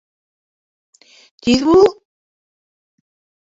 Тиҙ бул?